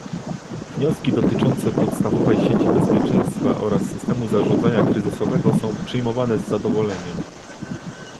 Wnioski dotyczące podstawowej sieci bezpieczeństwa oraz systemu zarządzania kryzysowego są przyjmowane z zadowoleniem